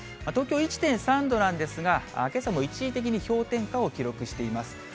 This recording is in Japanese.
東京１．３度なんですが、けさも一時的に氷点下を記録しています。